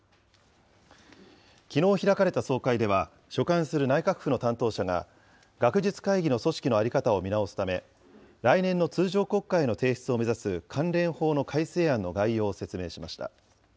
きのう開かれた総会では、所管する内閣府の担当者が、学術会議の組織の在り方を見直すため、来年の通常国会への提出を目指す関連法の改正案の概要を説明しました。